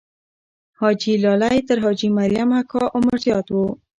حاجي لالی تر حاجي مریم اکا عمر زیات وو.